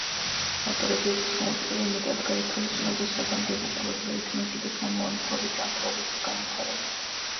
ავტორები „ეფლს“ მოუწოდებენ, მეტად გაითვალისწინოს და „საგანგებო ყურადღებით“ მოეკიდოს „მომავალი თაობის ჯანმრთელობას და განვითარებას“.